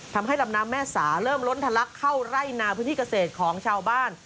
ทำให้ลำน้ำแม่สาเริ่มล้นทะลักเข้าไร่นาพื้นที่เกษตรของชาวบ้าน